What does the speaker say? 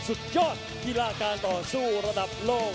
สุดยอดกีฬาการต่อสู้ระดับโลก